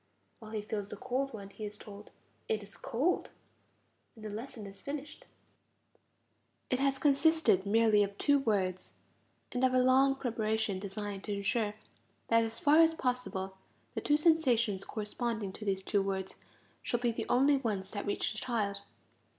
While he feels the cold one he is told: It is cold. And the lesson is finished. It has consisted merely of two words, and of a long preparation designed to ensure that as far as possible, the two sensations corresponding to these two words shall be the only ones that reach the child.